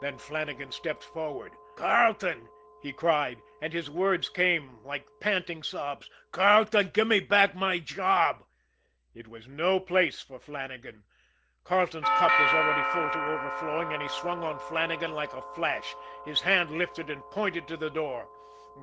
Then Flannagan stepped forward. "Carleton," he cried, and his words came like panting sobs, "Carleton, give me back my job." It was no place for Flannagan. Carleton's cup was already full to overflowing, and he swung on Flannagan like a flash. His hand lifted and pointed to the door.